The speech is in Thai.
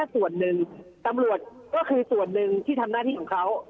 ส่วนหนึ่งตำรวจก็คือส่วนหนึ่งที่ทำหน้าที่ของเขา